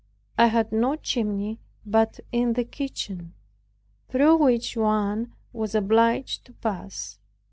It had no chimney but in the kitchen, through which one was obliged to pass.